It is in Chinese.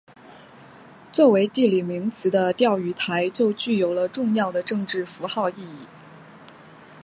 作为地理名词的钓鱼台就具有了重要的政治符号意义。